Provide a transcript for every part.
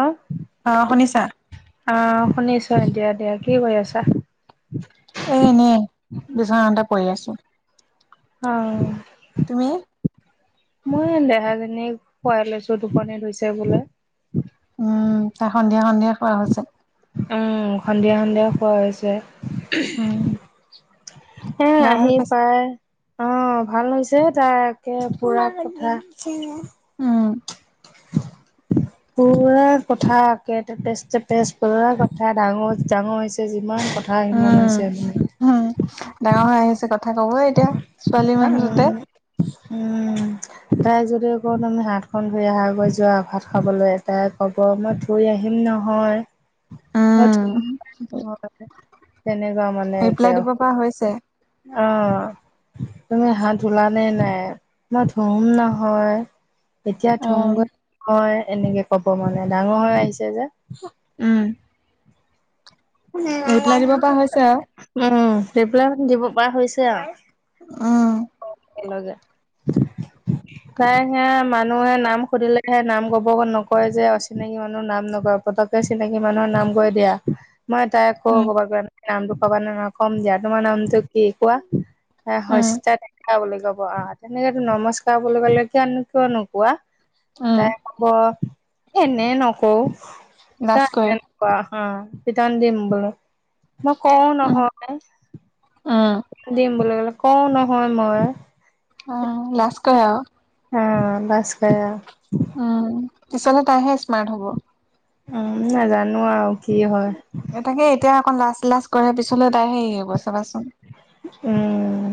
অহ অ শুনিছা অহ। শুনিছ এতিয়া দিয়া কি কৰি আছা? এ এনেই বিছনাট এ পৰি় আছো। অহ তুমি মই দেহাজনী খুৱাই লৈছো টোপনি ধৰিছে বোলে। উম তাই সন্ধিয়া সন্ধিয়া খোৱা হৈছে। উম সন্ধিয়া সন্ধিয়া খোৱা হৈছে। উম এ গা ভাল আহি পাইছে পায়। অ ভাল হৈছে তাকে পুৰা কথা। উম পুৰা কথা একে তেপেজ তেপেজ পুৰা কথা ডাঙৰ ডাঙৰ হৈছে যিমান কথা। হয় ইমান উম হৈছে। উম ডাঙৰ হৈ আহিছে কথা কব এতিয়া ছোৱালী মানুহ ততে। উম, উম। তাই যদি ক তুমি হাতখন ধুই আহাগৈ যোৱা ভাত খাবলৈ তাই কব মই থুই আহিম। নহয়। উম হয় তেনেকুৱা মানে ৰিপ্লাই এতিয়া আও। দিব পৰা হৈছে অহ। তুমি হাত ওলা নে নাই মই ধুুম নহয়। এতিয়া অ ধমগৈ নহয় এনেকে কব মানে ডাঙৰ হৈ আহিছে যে। উম। ৰিপ্লাই দিব পৰা হৈছে আৰু উম সেই পেলাক দিব পৰা হৈছে আও। উম। একে লগে। তাই সে মানুহে নাম সুধিলে হে নাম কব নকয় যে অচিনাকি মানুহ নাম নকয়। পতকে চিনাকি মানুহৰ নাম কৈ দিয়া। মই তাই একো উম কব ক নাই নামটো কব নে ন ক'ম দ তোমাৰ নামটো কি কোৱা। এ উম শস্তা তেনেকা বুলি কব আহ তেনেকো নমস্কাৰ বুলি ক'লে কিয়নো কিয় নোকোৱা। উম তাই হব এনেই নকৌ লাজ কৰে নোকুৱা। অ টিতান দিম বোলো মই কও উম নহয়। উম দিম বুলি ক'লে কওঁ নহয় মই। অ লাছ্ কৰে আও। অহ লাভকৰে আও। পিছনে তাইহে স্মাৰ্ট হ'ব। উম ন জানো আৰু কি হয়। অক লাজষ্ট লাজষ্ট কৰে পিছলে তাই হেৰি হ গব চাবাচোন। উম।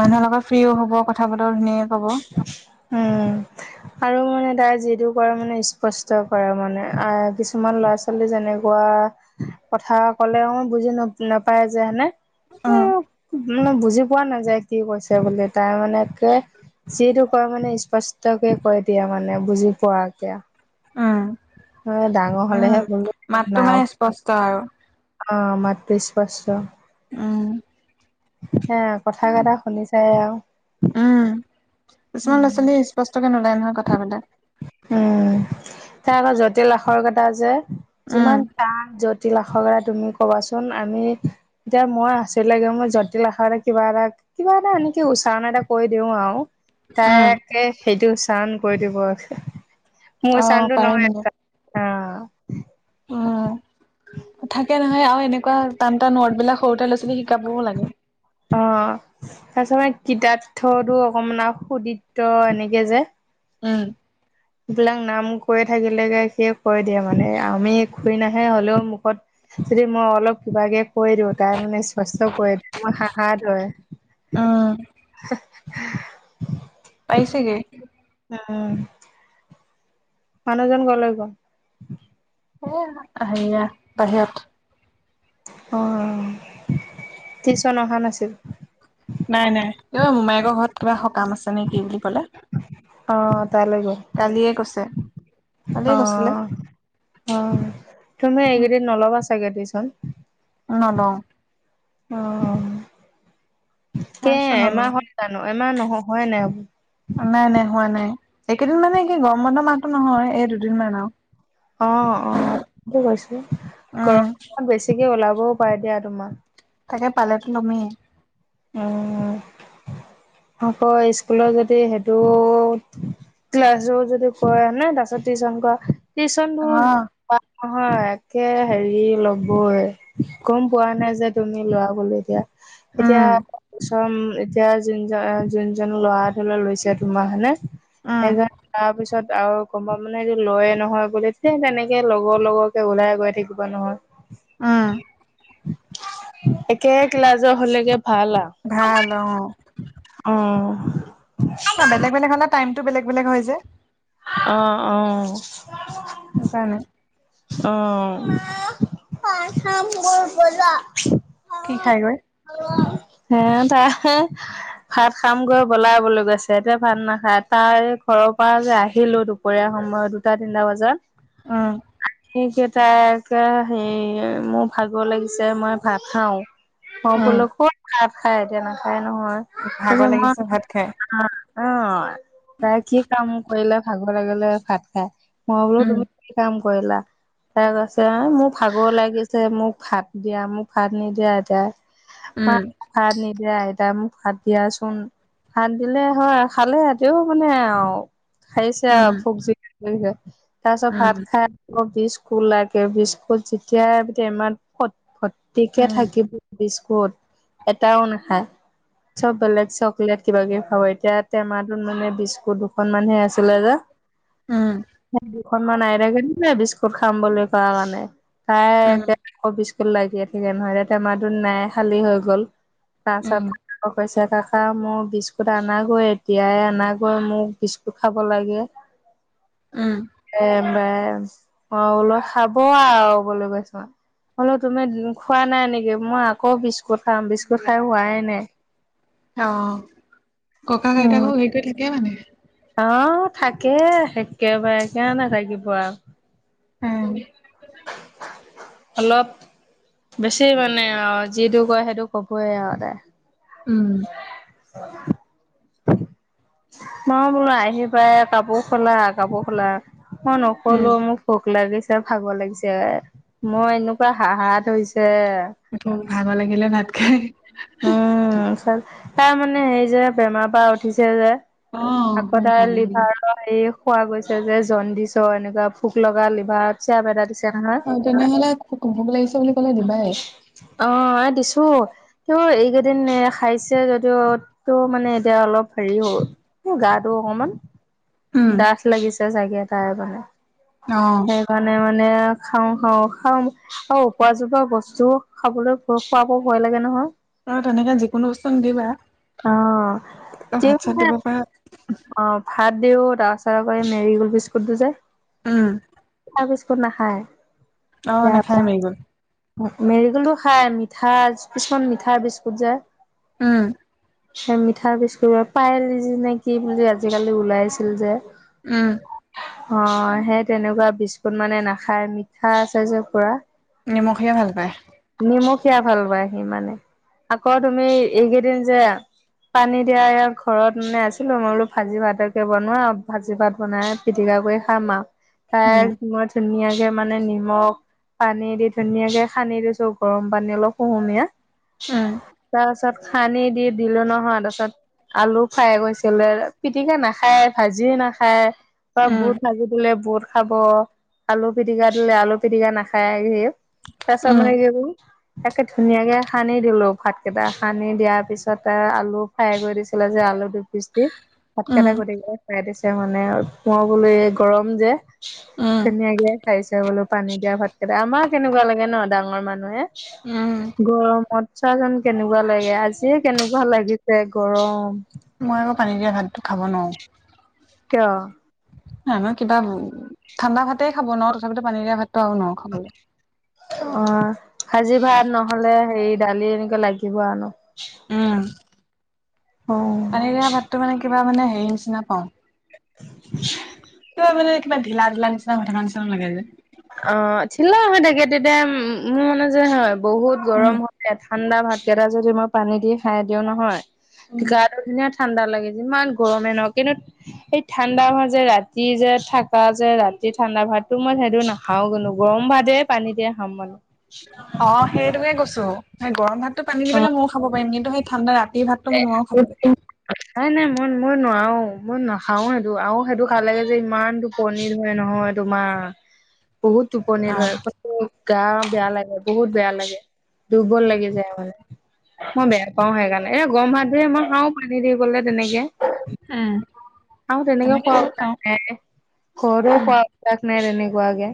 মানুহৰ লগত ফ্ৰ্ৰীও হ'ব কথা বতৰা ধুনীয়া। উম আৰু মানে। তাই যিটো কৰে মানে স্পষ্ট কৰে মানে আহ কিছুমান ল'ৰা ছোৱালী যেনেকুৱা। কথা ক'লে ম বুজি ন নাপায় যে হেনে। উম মানে বুজি পোৱা নাযায় কি কৈছে বুলি তাৰ মানে। যিটো কয় মানে স্পষ্টকে কৈ দিয়া মানে বুজি পোৱাকে। উম হয় ডাঙৰ উম হলেহে বলো মাতটো নাও। মানে স্পষ্ট আৰু অ মাত ইস্পত। উম। হে কথা কটা শুনি চাই আও। উম কিছুমান ল'ৰা ছোৱালী ইস্পষ্টকে নোলায় নহয় কথাবাৰ্তা। উম তাৰ আকৌ জটিল আখৰকতা আছে উম যিমান তান। জটিল আখৰ কেইটা তুমি কবাচোন আমি এতিয়া মই আচৰি লকে মোৰ জতিলাখক কিবা এটা। কিবা এটা এনেকে উচ্চাৰণ এটা কৈ দিও আও্। উম তাইকে সেইটো চান কৰি দিব। মোৰ অ চান্দো পাৰে নহয় মানে অ। উম থাকে নহয় আৰু এনেকুৱা টান টান ওৰ্ড বিলাক। সৰুতে ল'ৰা ছোৱালী শিকাবও লাগে। অ তাৰপিছত ম কিতাপথু অকনমান আৰু সুদিত্ত এনেকে যে। উম। এইবিলাক নাম ক থাকিলেকে সিয় কৈ দিয়ে মানে আমি খুৰি নাহে হলেও মুখত। যদি মই অলপ কিবা কে কৈ দিওঁ তাই মানে সষ্ট কৰি দি মোৰ সাহাৰ হয়। উম [unintelligible] পাৰিচে গে। উম। মানুহজন গলে গ। আহ বাহিৰত। অঁ টিউচন অহা নাছিল [unintelligible] নাই-নাই এই মায়েকৰ ঘৰত কিবা [unintelligible] কাম আছে নেকি বুলি কলে [unintelligible] অ', কালিয়ে কৈছে কালিয়ে গৈছিলে অ-অ তুমি এইকেইদিন নলবা [unintelligible] থাকে টিউচন [unintelligible] অ [unintelligible] অ কে [unintelligible] তাৰপিছত নলওঁ এমাহত হয় জানো আমাৰ নহয় নাই [unintelligible] নাই-নাই হোৱা নাই এইকেইদিন মানে কি গৰম বন্ধ মাহটো নহয় এই দুদিনমান আৰু‌ [unintelligible] অ-অ কৈছো উম গৰম বেছিকে ওলাব [unintelligible] কবও পাৰে দিয়া তোমাক [unintelligible] তাকে পালেতো তুমি [unintelligible] [unintelligible] আকৌ স্কুলত যদি সেইটো ক্লাছো যদি কৰেনে তাৰপিছত টিউচন কৰা অ টিউশচনটোত [unintelligible] নহয় একে হেৰি লবই গম পোৱা নাই যে তুমি লোৱা বোলো এতিয়া [unintelligible] উম এতিয়া [unintelligible] এতিয়া যোনজন-যোনজন ল'ৰা ধলৈ [unintelligible] লৈছে তোমাৰখনে উম সেইজন তাৰ পিছত আৰু গমা [unintelligible] মানে এইটো লয়ে নহয় বুলি তেনেকে লগৰ লগৰকে গ'লে তাই গৈ থাকিব নহয় উম [inaudible] একে ক্লাজৰ হলেগে [inaudible] ভাল অঁ! [inaudible] আহ [unintelligible] [unintelligible] বেলেগ-বেলেগ হলে টাইমটো বেলেগ-বেলেগ হয় যে। অঁ-অঁ [unintelligible] সেইকাৰণে অঁ পাম বলা [unintelligible] কি খাই গৈ? [inaudible] উ [unintelligible] হে তাই ভাত খামগৈ বলাই বলা বুলি কৈছে এতিয়া ভাত নাখায় তাই ঘৰত [unintelligible] পৰা যে আহিলো দুপৰীয়া সময়ত দুটা তিনিটা বজাত [inaudible] উম [unintelligible] সেইকেইটা যে হেৰি মোৰ ভাগৰ লাগিছে মই ভাত খাওঁ [unintelligible] অ উম বোলো ক'ত ভাত খাই এতিয়া নো [unintelligible] ভাগৰ লাগিছে ভাত খাই [unintelligible] [unintelligible] অ-অ তাই কি কাম কৰিলে ভাল [unintelligible] লগে ভাত খাই মই বোলোঁ উম তুমি কাম কৰিলা তাৰ [inaudible] এ মোৰ ভাগৰ লাগিছে মোক ভাত দিয়া মোক ভাত নিদিয়া এতিয়া [unintelligible] উম [inaudible] দিয়া আইতা মোক ভাত দিয়াচোন ভাত দিলে হয় খালে সেঁতেও মানে আও। খাইছে উম আৰু ভোক [unintelligible] কৰি তাৰছত উম ভাত খাই আকৌ বিস্কুট লাগে বিস্কুট যেতিয়া টেমাত ভৰ্তিকে উম থাকিব বিস্কুট এটাও নাখায় চব বেলেগ চকলেট কিবাকিবি খাব এতিয়া টেমাটোত মানে বিস্কুট দুখনমানহে আছিলে যে উম সেই দুখনমান আইতাকে দিলে বিস্কুট খাম বুলি কোৱা কাৰণে তাই উম একে আকৌ বিস্কুট লাগে [unintelligible] টেমাটোত নাই খালী হৈ গ'ল। তাৰছত উম অহ কৈছে কাকা মোৰ বিস্কুট আনাগৈ এতিয়াই আনাগৈ মোক বিস্কুট খাব লাগে [inaudible] উম বাছ ম‌ই বোলো খাব আৰু বোলো কৈছো মই হলোঁ তুমি খোৱা নাই নেকি মই আকৌ বিস্কুট খাম বিস্কুট খাই হোৱাই নাই অহ, ককা -আইতাকৰ হেইটো থাকে মানে অহ, থাকে একেবাৰে কেলে নাথাকিব আৰু। উম অলপ বেছি মানে অহ যিটো কয় সেইটো কবই আৰু তাই। উম [unintelligible] মই বোলো আহি পাই কাপোৰ খোলা -কাপোৰ খোলা। মই উম নুখুলোঁ মোক ভোক লাগিছে ভাগৰ লাগিছে মই এনেকুৱা হা-হা ধৰিছে এইটো ভাল নালাগিলে ভাত খাই। উম, চাল তাৰ মানে হেৰি যে বেমাৰ পা উঠিছে যে অ আকৌ হয় তাৰ ভাল। লিভাৰৰ হেৰি কোৱা গৈছে যে জণ্ডিছৰ এনেকুৱা ভোক লগা লিভাৰত চিৰাপ এটা দিছে নহয়। অ', তেনেহলে ভোক লাগিছে বুলি কলে দিবাই। অহ, এ দিছো। ত' এইকেইদিন খাইছে যদিও টো মানে এতিয়া অলপ হেৰি হ'ল মোৰ গাটো অকমান উম ডাঠ লাগিছে অ [unintelligible] সেইকাৰণে মানে মানে খাওঁ - খাওঁ - খাম আৰু উপাজোপা বস্তু খাবলৈ খোৱাব ভয় লাগে নহয়। অহ, তেনেকে যিকোনো বস্তু নিদিবা অ'। ভাত- চাত দিব পাৰা অহ, ভাত দিও তাছত উপৰি মেৰি গল্ড বিস্কুটটো যে উম মিঠা বিস্কুট নাখায় অহ, নাখায় মেৰিগল্ড। মেৰীগোল্ডটো খাই মিঠা কিছুমান মিঠা বিস্কুট যে উম। হেই মিঠা পিচ কৰিব পায়েল যি নে কি বুলি আজিকালি ওলাইছিল যে উম অহ, সেই তেনেকুৱা বিস্কুট মানে নাখায় মিঠা আছে যে পুৰা। নিমখিয়া ভাল পায়। নিমখীয়া ভাল পায় সি মানে আকৌ তুমি এইকেইদিন যে পানী দিয়া এয়া ঘৰত মানে আছিল মই বোলো ভাজি ভাতকে বনোৱা, ভাজি ভাত বনাই পিটিকা দি [unintelligible] তাই উম মই ধুনীয়াকে মানে নিমখ পানী দি ধুনীয়াকে খানী দিছো। গৰম পানী অলপ কুহুমীয়া উম তাৰ পিছত খানি দি দিলো নহয় তাৰ পাছত আলু ফ্ৰাই কৰিছিলে পিটিকা নাখায় ভাজিয়ে নাখায়। বা উম বুট ভাজি দিলে বুৰ খাব আলু পিটিকা দিলে আলু পিটিকা নাখায় হে তাছত মানে উম কি কৰো একে ধুনীয়াকে সানি দিলো ভাত কেইটা সানি দিয়াৰ পিছত আলু ফ্ৰাই কৰি দিছিলো ছিল যে আলু দু পিছ দি ভাতকেইটা উম গতিকে খৰাাই দিছে মানে আৰু পুুৱাবলৈ গৰম যে উম ধুনীয়াকে খাইছে বোলো পানী দিয়া ভাতকেইটা আমাৰ কেনেকুৱা লাগে ন ডাঙৰ মানুহ নে উম গৰমত চাহ যেন কেনেকুৱা লাগে আজিয়ে কেনেকুৱা লাগিছে গৰম মই আকৌ পানী দিয়া ভাতটো খাব নোৱাৰো কিয়? ন নহয় কিবা ঠাণ্ডা ভাতেই খাব নোৱাৰো তথাপিতো পানীৰেীয়া ভাতটো আৰু নোৱাৰ খাবলৈ অ ভাজি ভাত নহলে হেৰি দালি এনেকা লাগিব আন উম অ পানী দিয়া ভাতটো মানে মানে হেৰি নিচিনা পাওঁ। [inaudible] তহঁ মানে কিবা ঢিলা ঢিলা নিচিনা হৈ থকা নিচিনা লাগে যে অ ঢিলা নহয় তাকে তেতিয়া মোৰ মান যে হয় বহুত উম। গৰম হৈ তাঁত ঠাণ্ডা ভাতকেইটা যদি মই পানী দি খাই দিও নহয় উম। গাটো ধুনীয়া ঠাণ্ডা লাগে ইমান গৰমে নহ কিন্তু সেই ঠাণ্ডা হয় যে ৰাতি যে থকা যে ৰাতি ঠাণ্ডা ভাতো মই সেইটো নাখাওঁ কিন্তু গৰম ভাতে পানী দিয়ে খাম মানে অ সেইটোয়ে কৈছো সেই গৰম ভাততো পানী দি পেলাই মইয়ো খাব পাৰিম কিন্তু সেই ঠাণ্ডা ৰাতি ৰাতি ভাতটো মই নোৱাৰাওঁ খাবলে অ নাই নাই মই মই নোৱাৰো মই নাখাও সেইটো আৰু সেইটো খালে যে ইমান টোপনি ধৰে নহয় তোমাৰ বহুত টোপনি হা ধৰে গা বেয়া লাগে বহুত বেয়া লাগে দুৰ্বল লাগি যায় মানে মই বেয়া পাওঁ সেইকাৰণে এ গৰম হাতেৰে মই খাওঁ পানী দি গলে তেনেকে আৰু তেনেকেও তেনেকে খোৱা ময়ো অভ্যাস খাওঁ। নাই ঘৰতোঁ খোৱা অভ্যাস নাই নাই তেনেকুৱাকে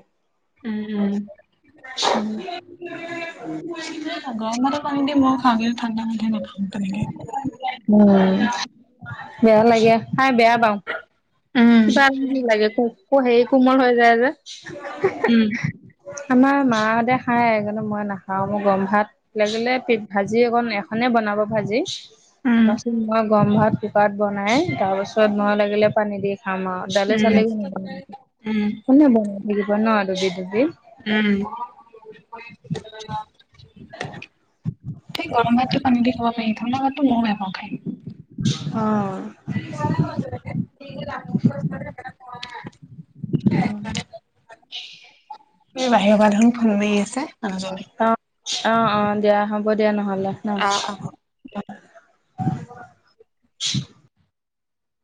আা [unintelligible] এ গৰম ভাতৰ পানী দি মই খাওঁৱে ঠাণ্ডা ভাতঁ হে নাখাওঁ তেনেকে উম বেয়া লাগে খাই বেয়া পাওঁ উম কিবা লাগে সেই কোমল হৈ যায় যে উম আমাৰ মাঁ হতে খায় কিন্তু মই নাখাওঁ মোৰ গৰম ভাতঁ লাগিলে পি ভাজি যি অকন এখনে বনাব ভাজি উম তাইচত মই গৰম ভাত কুকাৰত বনাই তাৰপিছত মই লাগিলে পানী দি খাম আওঁ ডালি উম চালি উম কোনে বনাই থাকিব নহঁ দুবিধ দুবিধ উম সেই গৰমতটো পানী দি গৰমে মো মোৰ নে পা খাই [unintelligible] অহঁ [unintelligible] এই বাহিৰৰ পৰা দেখোন ফোন মাৰি আছে। মানুহজনে। অ অ অ দিয়া হ'ব দিয়া নহলে নহ অ অ। [unintelligible]